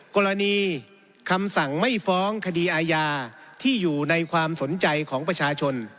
กรณีคำสั่งไม่ฟ้องคดีอาญาที่อยู่ในความสนใจของประชาชน